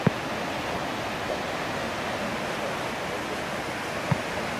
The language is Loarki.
ھين چاھون ھون ڪو ماري ٻولي بو انگريزو